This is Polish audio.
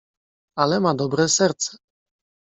"Ale ma dobre serce."